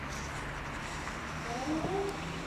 The boot is in the coupe or in the Volante.